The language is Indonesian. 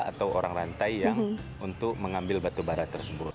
atau orang rantai yang untuk mengambil batubara tersebut